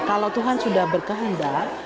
kalau tuhan sudah berkehendak